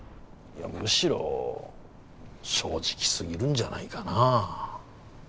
いやむしろ正直すぎるんじゃないかなあ